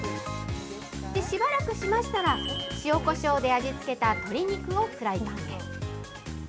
しばらくしましたら、塩こしょうで味付けた鶏肉をフライパンへ。